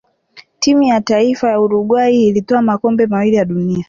timu ya taifa ya uruguay ilitwaa makombe mawili ya duniani